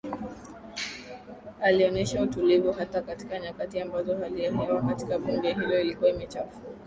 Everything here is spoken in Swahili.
Alionesha utulivu hata katika nyakati ambazo hali ya hewa katika bunge hilo ikiwa imechafuka